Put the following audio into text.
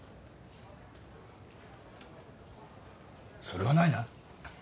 それはないな。